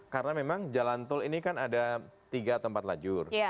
karena memang jalan tol ini kan ada tiga atau empat lajur